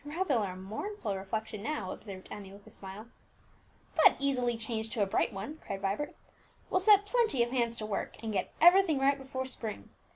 '" "Rather a mournful reflection now," observed Emmie with a smile. "But easily changed to a bright one!" cried Vibert; "we'll set plenty of hands to work, and get everything right before spring.